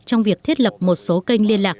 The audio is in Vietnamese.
trong việc thiết lập một số kênh liên lạc